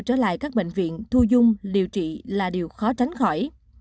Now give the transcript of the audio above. trở lại các bệnh viện thu dung điều trị là điều khó tránh khỏi